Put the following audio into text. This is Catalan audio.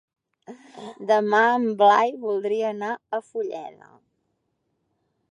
Demà en Blai voldria anar a Fulleda.